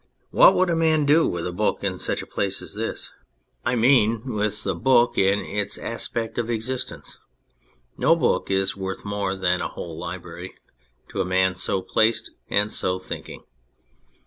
What would a man do with a book in such a place as this ? I mean with a book 15 On Anything in its aspect of existence 1 No Book is worth more than a whole library to a man so placed and so thinking.